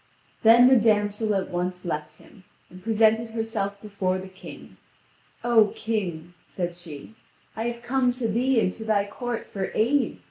Then the damsel at once left him, and presented herself before the King. "O King," said she, "I have come to thee and to thy court for aid.